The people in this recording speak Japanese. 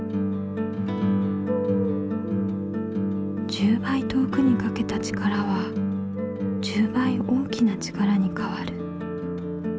１０ばい遠くにかけた力は１０ばい大きな力にかわる。